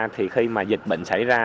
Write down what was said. thì khi mà dịch bệnh xảy ra